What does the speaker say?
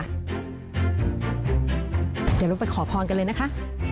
เดี๋ยวเราไปขอพรกันเลยนะคะ